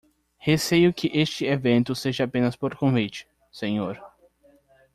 Receio que este evento seja apenas por convite, senhor.